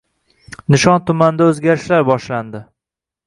Nishon tumanida o‘zgarishlar boshlandi